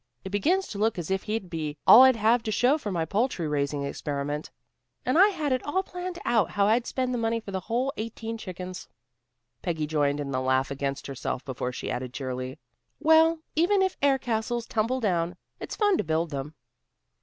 "It begins to look as if he'd be all I'd have to show for my poultry raising experiment, and I had it all planned out how I'd spend the money for the whole eighteen chickens." Peggy joined in the laugh against herself before she added cheerily: "Well, even if air castles tumble down, it's fun to build them."